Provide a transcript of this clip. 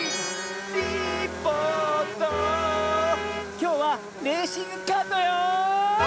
きょうはレーシングカートよ！